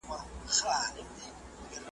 ټیکنالوژي د ناروغۍ ابتدايي نښې معلوموي.